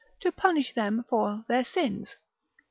to punish them for their sins.